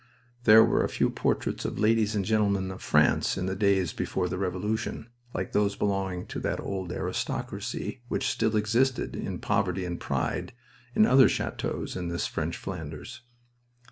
There were a few portraits of ladies and gentlemen of France in the days before the Revolution, like those belonging to that old aristocracy which still existed, in poverty and pride, in other chateaus in this French Flanders.